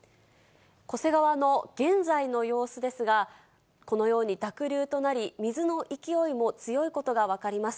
巨瀬川の現在の様子ですが、このように、濁流となり、水の勢いも強いことが分かります。